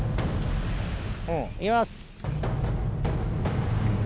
行きます。